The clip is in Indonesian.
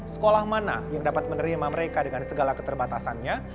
sekolah mana yang dapat menerima mereka dengan segala keterbatasannya